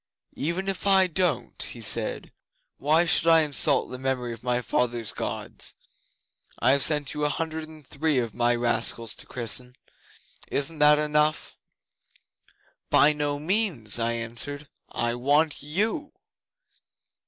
'"Even if I don't," he said, "why should I insult the memory of my fathers' Gods? I have sent you a hundred and three of my rascals to christen. Isn't that enough?" '"By no means," I answered. "I want you."